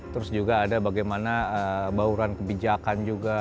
terus juga ada bagaimana bauran kebijakan juga